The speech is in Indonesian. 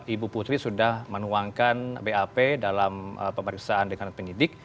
ibu putri sudah menuangkan bap dalam pemeriksaan dengan penyidik